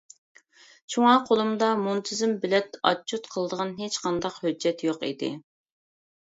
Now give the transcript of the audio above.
شۇڭا قۇلۇمدا مۇنتىزىم بېلەت ئاتچوت قىلىدىغان ھېچقانداق ھۆججەت يوق ئىدى.